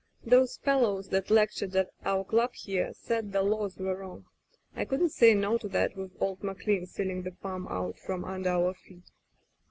Those fellows that lectured at our club here said the laws were wrong. I couldn't say no to that, with old McLean stealing the farm out from under our feet.